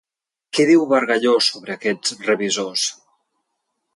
Què diu Bargalló sobre aquests revisors?